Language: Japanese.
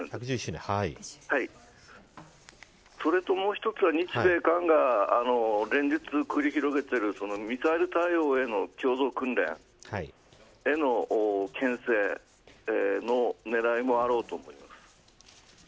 それと、もう一つは日米韓が連日繰り広げているミサイル対応への共同訓練へのけん制。の狙いもあると思います。